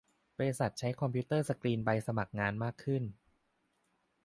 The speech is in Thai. บริษัทใช้คอมพิวเตอร์สกรีนใบสมัครงานมากขึ้น